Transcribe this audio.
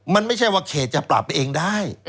มันไม่ใช่ว่าเขตจะปรับไปเองได้